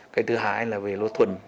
cái thứ hai là về lúa thuần